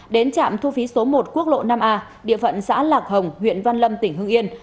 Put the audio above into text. đến trạm thu phí số một quốc lộ năm a địa phận xã lạc hồng huyện văn lâm tỉnh hưng yên